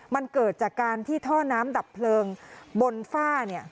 มันเกิดจากการที่ท่อน้ำดับเพลิงบนฝ้าเนี่ย